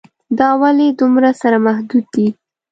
دا ولې دومره سره محدود دي.